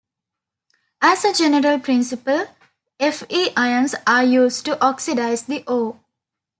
As a general principle, Fe ions are used to oxidize the ore.